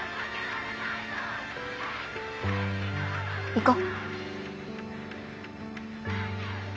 行こ。